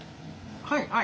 はい。